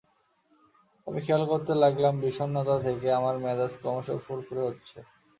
আমি খেয়াল করতে লাগলাম বিষণ্নতা থেকে আমার মেজাজ ক্রমশ ফুরফুরে হচ্ছে।